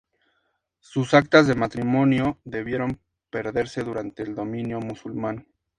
Sus actas de martirio debieron perderse durante el dominio musulmán.